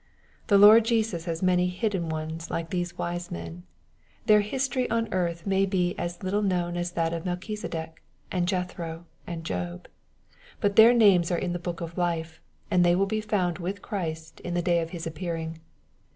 The Lord Jesus has many ^^ hidden ones" like these wise men. Their history on earth may be as little known as that of Melchizedek, and Jethro, and Job. But their names are in the book of life, and they wiU be found with Christ in the day of His appearing.